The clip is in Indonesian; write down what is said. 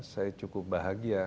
saya cukup bahagia